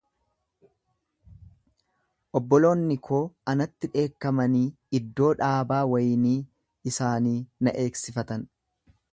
Obboloonni koo anatti dheekkamanii iddoo dhaabaa waynii isaanii na eegsifatan;